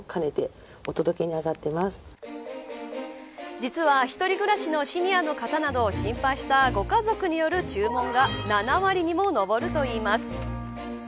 実は一人暮らしのシニアの方などを心配したご家族による注文が７割にも上るといいます。